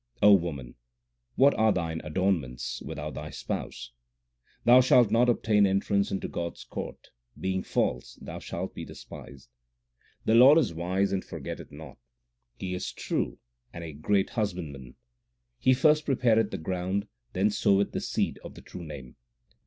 O woman, what are thine adornments without thy Spouse? 1 The Guru is meant. HYMNS OF GURU NANAK 263 Thou shalt not obtain entrance into God s court ; being false thou shalt be despised. The Lord is wise and forgetteth not : He is true and a great husbandman. He first prepareth the ground, 1 then soweth the seed of the true Name.